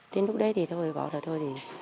đến lúc đấy thì thôi bỏ ra thôi